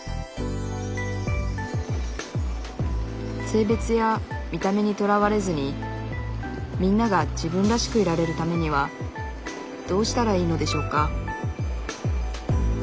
性別や見た目にとらわれずにみんなが自分らしくいられるためにはどうしたらいいのでしょうか？